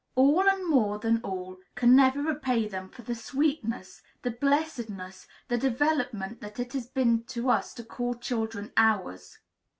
All and more than all can never repay them for the sweetness, the blessedness, the development that it has been to us to call children ours.